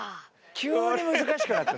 急に難しくなった。